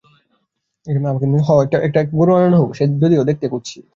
আমাকে নীলু নামের একটি মেয়ে লিখেছিল, সে দেখতে কুৎসিত।